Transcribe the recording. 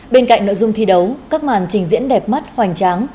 bên cạnh nội dung thi đấu các màn trình diễn đẹp mắt hoành tráng